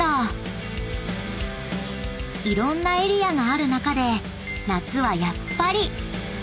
［いろんなエリアがある中で夏はやっぱり！］